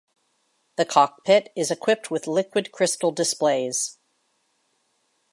The cockpit is equipped with liquid crystal displays.